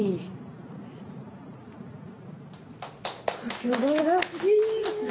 すばらしい。